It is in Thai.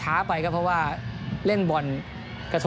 ส่วนที่สุดท้ายส่วนที่สุดท้าย